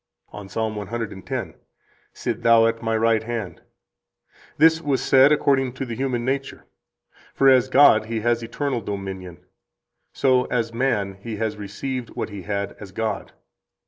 57 On Ps. 110 (t. 1, p. 242): "'Sit Thou at My right hand,' – this was said according to the human nature. For as God He has eternal dominion, so as man He has received what He had as God.